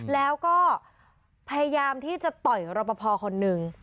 แล้วก็พยายามที่จะต่อยรปภคนหนึ่ง